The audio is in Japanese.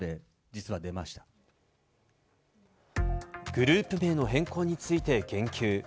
グループ名の変更について言及。